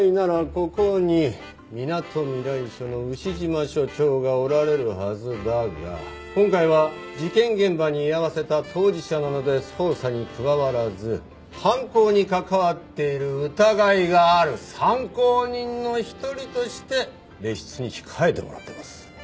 ここにみなとみらい署の牛島署長がおられるはずだが今回は事件現場に居合わせた当事者なので捜査に加わらず犯行に関わっている疑いがある参考人の一人として別室に控えてもらってます。